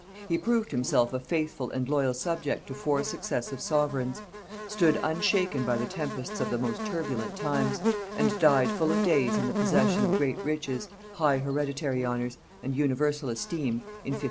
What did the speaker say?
He proved himself a faithful and loyal subject to four successive sovereigns; stood unshaken by the tempests of the most turbulent times; and died full of days in the possession of great riches, high hereditary honors, and universal esteem, in 1574.